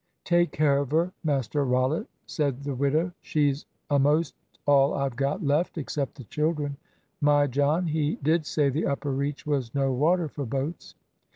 "Take care of her, Master Rollitt," said the widow; "she's a'most all I've got left, except the children. My John, he did say the upper reach was no water for boats."